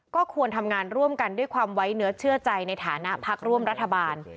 ก็ควรทำงานร่วมกันด้วยความไว้เนื้อเชื่อใจในฐานะพักร่วมรัฐบาล